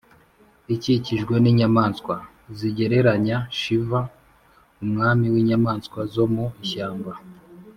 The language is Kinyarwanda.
ikikijwe n’inyamaswa (zigereranya shiva, ‘umwami w’inyamaswa zo mu ishyamba’).